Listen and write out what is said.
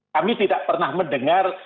kami tidak pernah mendengar